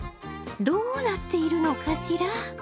どうなっているのかしら！